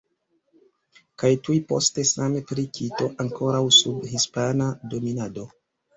Kaj tuj poste same pri Kito, ankoraŭ sub hispana dominado.